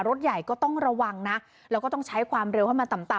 รถใหญ่ก็ต้องระวังนะแล้วก็ต้องใช้ความเร็วให้มันต่ำต่ำ